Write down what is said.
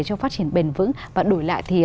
cho phát triển bền vững và đổi lại thì